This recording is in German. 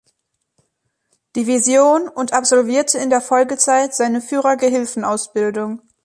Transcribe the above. Division und absolvierte in der Folgezeit seine Führergehilfenausbildung.